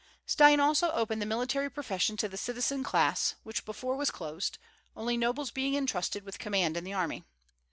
Stein also opened the military profession to the citizen class, which before was closed, only nobles being intrusted with command in the army.